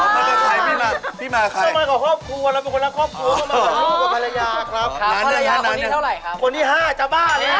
เคยเคยมาเที่ยวสิครับ